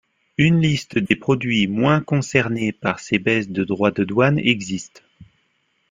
Une liste des produits moins concernés par ces baisses de droits de douanes existe.